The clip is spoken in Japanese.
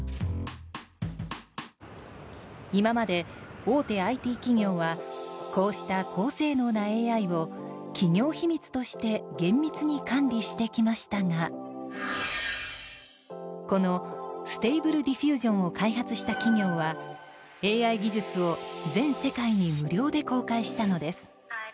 今まで大手ＩＴ企業はこうした高性能なＡＩを企業秘密として厳密に管理してきましたがこのＳｔａｂｌｅＤｉｆｆｕｓｉｏｎを開発した企業はＡＩ技術を全世界に無料で公開したのです。